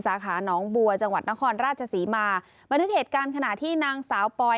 สาขาน้องบัวจังหวัดนครราชศรีมาบันทึกเหตุการณ์ขณะที่นางสาวปอย